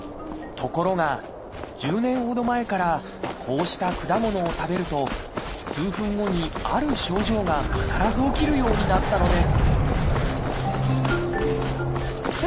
ところが、１０年ほど前からこうした果物を食べると数分後にある症状が必ず起きるようになったのです。